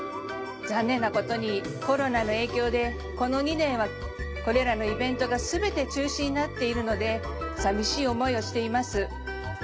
残念な事にコロナの影響でこの２年はこれらのイベントが全て中止になっているので寂しい思いをしています。